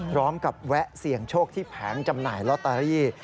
แวะเสี่ยงโชคที่แผงจำหน่ายลอตเตอรี่